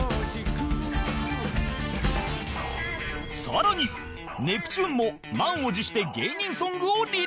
更にネプチューンも満を持して芸人ソングをリリース